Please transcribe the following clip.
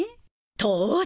当然！